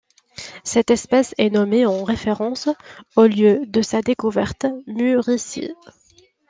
Cette espèce est nommée en référence au lieu de sa découverte, Murici.